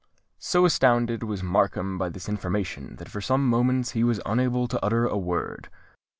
So astounded was Markham by this information, that for some moments he was unable to utter a word.